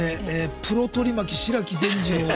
プロ取り巻き白木善次郎。